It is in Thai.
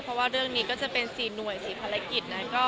เพราะว่าเรื่องนี้จะเป็นสี่หน่วยสี่ภารกิจ